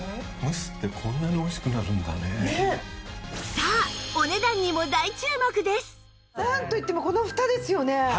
さあなんといってもこのふたですよね。